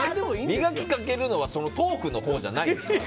磨きかけるのはトークのほうじゃないんですか？